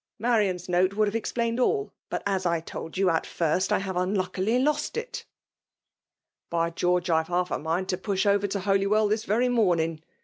y ^Marian's note ivould have explained ali; bat, is^ I told you at first, I haveunlaelcily lost'it/* <.^ By Qeorge^ IVe half a mind to piuk ovar •vto Holy well this very morning